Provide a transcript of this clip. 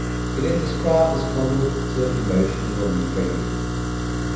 It is described as cognitive-emotional retraining.